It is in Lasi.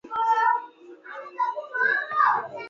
تو ڪٿي غائب ائين؟